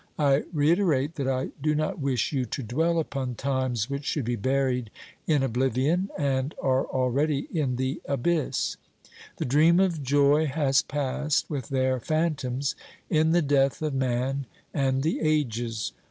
I reiterate that I do not wish you to dwell upon times which should be buried in oblivion and are already in the abyss. The dream of joy has passed with their phantoms in the death of man and the ages.